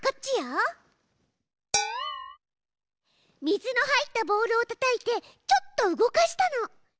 水の入ったボウルをたたいてちょっと動かしたの。